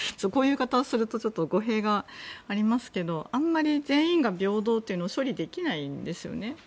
こういう言い方をすると語弊がありますけどあんまり全員が平等というのを処理できないんですよね。